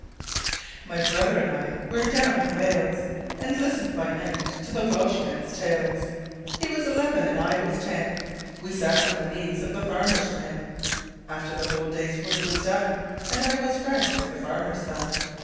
_) My brother and I were down in Wales, And listened by night to the Welshman's tales; He was eleven and I was ten. We sat on the knees of the farmer's men After the whole day's work was done: And I was friends with the farmer's son.